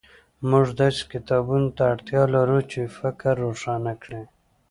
موږ داسې کتابونو ته اړتیا لرو چې فکر روښانه کړي.